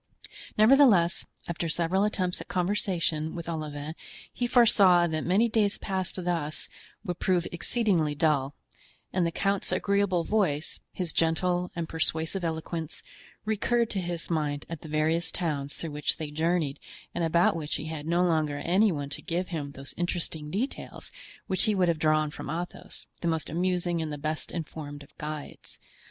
Nevertheless, after several attempts at conversation with Olivain he foresaw that many days passed thus would prove exceedingly dull; and the count's agreeable voice, his gentle and persuasive eloquence, recurred to his mind at the various towns through which they journeyed and about which he had no longer any one to give him those interesting details which he would have drawn from Athos, the most amusing and the best informed of guides.